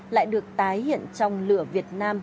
lại được tái hiện trong lửa việt nam